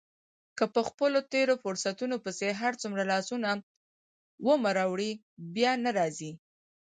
که په خپلو تېرو فرصتونو پسې هرڅومره لاسونه ومروړې بیا نه را ګرځي.